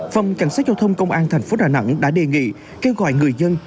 phòng cảnh sát giao thông công an thành phố đà nẵng đã đề nghị kêu gọi người dân